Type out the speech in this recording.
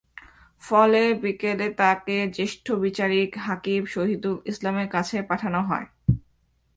ফলে বিকেলে তাঁকে জ্যেষ্ঠ বিচারিক হাকিম শহীদুল ইসলামের কাছে পাঠানো হয়।